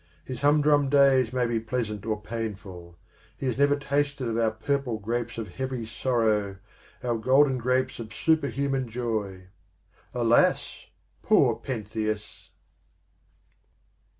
His humdrum days may be pleasant or painful ; he has never tasted of our purple grapes of heavy sorrow, our golden grapes of super human joy. Alas, poor Pentheus!